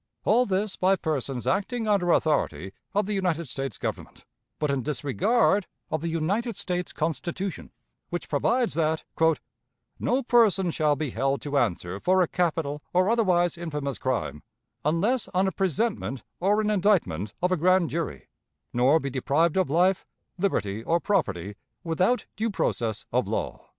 All this by persons acting under authority of the United States Government, but in disregard of the United States Constitution, which provides that "no person shall be held to answer for a capital or otherwise infamous crime, unless on a presentment or an indictment of a grand jury, nor be deprived of life, liberty, or property without due process of law."